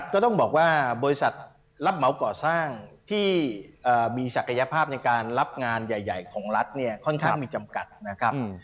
ก็ต้องบอกว่าบริษัทรับเหมาก่อสร้างที่มีศักยภาพในการรับงานใหญ่ของรัฐเนี่ยค่อนข้างมีจำกัดนะครับ